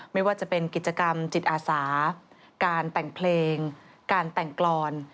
ไม่ว่าจะเป็นกิจกรรมจิตอาสาการแต่งเพลงการแต่งกรอน